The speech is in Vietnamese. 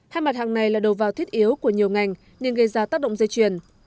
hai mặt hàng này là đầu vào thiết yếu của nhiều ngành nên gây ra tác động dây chuyền